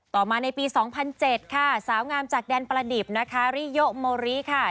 ต่อมาในปี๒๐๐๗ค่ะสาวงามจากแดนประดิบนะคะริโยโมริค่ะ